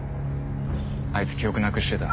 あいつ記憶なくしてた。